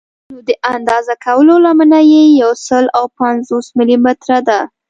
نو د اندازه کولو لمنه یې یو سل او پنځوس ملي متره ده.